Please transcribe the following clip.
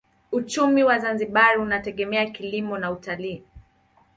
Uchumi wa Zanzibar unategemea kilimo na utalii.